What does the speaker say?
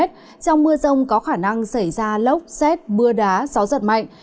trong mưa rông có khả năng xảy ra lốc xét mưa đá gió giật mạnh